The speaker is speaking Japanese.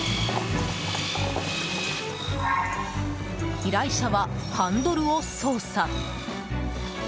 依頼者は、ハンドルを操作。